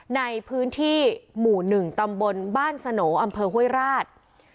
ในพื้นที่หมู่๑ตำบลบ้านสโหนอำเภอห้วยราช